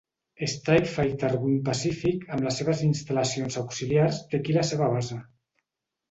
Strike Fighter Wing Pacific amb les seves instal·lacions auxiliars té aquí la seva base.